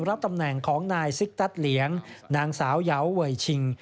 รับตำแหน่งของนายซิกตัสเหลียงนางสาวยาวเวยชิง